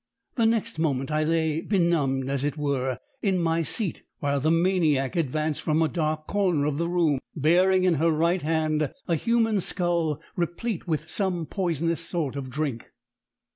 "The next moment, I lay benumbed, as it were, in my seat, while the maniac advanced from a dark corner of the room, bearing in her right hand a human skull replete with some poisonous sort of drink.